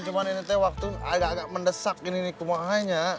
cuman ini teh waktu agak agak mendesak ini nih kumaahnya